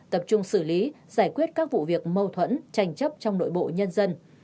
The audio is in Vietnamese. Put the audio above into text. tập trung xử lý giải quyết các vụ việc mâu thuẫn tranh chấp trong nội bộ nhân dân